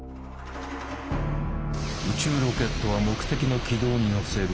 宇宙ロケットは目的の軌道に乗せる。